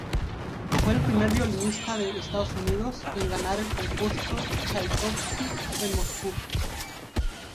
Fue el primer violinista de Estados Unidos en ganar el Concurso Tchaikovsky en Moscú.